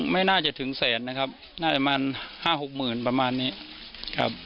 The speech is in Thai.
ไม่น่าจะถึงแสนนะครับน่าจะประมาณห้าหกหมื่นประมาณนี้ครับ